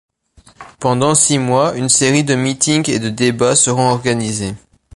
Pendant six mois, une série de meetings et de débats seront organisés.